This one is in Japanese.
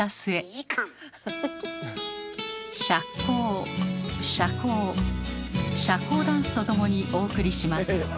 こう社交ダンスとともにお送りします。